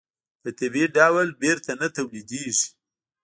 په طبیعي ډول بېرته نه تولیدېږي.